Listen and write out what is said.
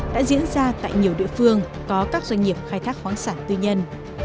đã diễn ra tại nhiều địa phương có các doanh nghiệp khai thác khoáng sản tư nhân